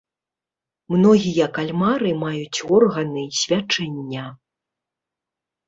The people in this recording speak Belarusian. Многія кальмары маюць органы свячэння.